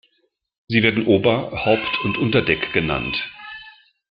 Sie werden Ober-, Haupt- und Unterdeck genannt.